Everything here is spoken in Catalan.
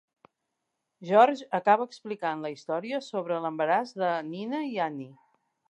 George acaba explicant la història sobre l'embaràs de Nina i Annie.